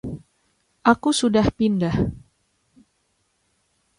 Aku sudah pindah.